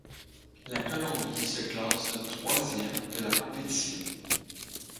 La Colombie se classe troisième de la compétition.